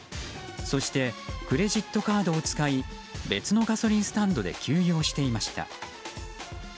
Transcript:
そしてクレジットカードを使い別のガソリンスタンドで給油をしていました。